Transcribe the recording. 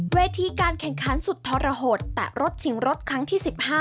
เวทีการแข่งขันสุดทรหดแตะรถชิงรถครั้งที่๑๕